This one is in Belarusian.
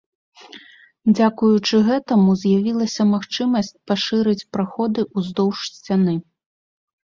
Дзякуючы гэтаму з'явілася магчымасць пашырыць праходы ўздоўж сцяны.